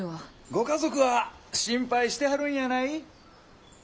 ご家族は心配してはるんやない？